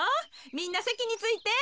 みんなせきについて。